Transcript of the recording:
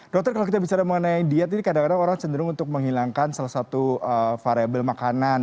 dokter kalau kita bicara mengenai diet ini kadang kadang orang cenderung untuk menghilangkan salah satu variable makanan